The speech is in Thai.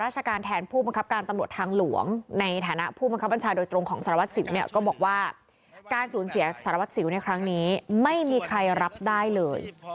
ผู้บังคับการตำรวจทางหลวงในฐานะผู้บังคับบัญชาโดยตรงของสารวัสสิวเนี่ยก็บอกว่าการสูญเสียสารวัตรสิวในครั้งนี้ไม่มีใครรับได้เลย